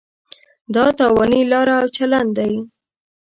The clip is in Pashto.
دا تاواني لاره او چلن دی.